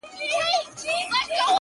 گراني زر واره درتا ځار سمه زه ـ